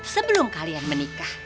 sebelum kalian menikah